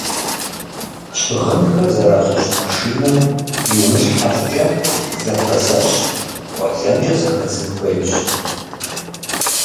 Щыгъынхэр зэрыжьыщӏэ машинэм йумылъхьэ щӏыкӏэ зэфэзэщ-къуэлэнкӏэ зэхэдзын хуейщ.